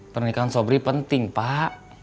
pernikahan sobri penting pak